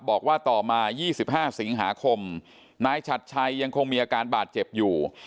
บอกว่าต่อมา๒๕สิงหาคมนายชัดชัยยังคงมีอาการบาดเจ็บอยู่